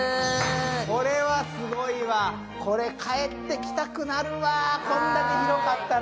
これすごいわ、これ、帰ってきたくなるわ、こんだけ広かったら。